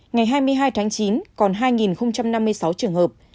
ngày hai mươi hai tháng chín còn hai năm mươi sáu trường hợp